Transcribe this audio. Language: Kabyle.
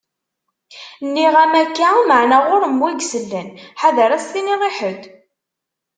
Nniɣ-am akka, maɛna ɣur-m wi isellen. Ḥader ad as-tiniḍ i ḥedd!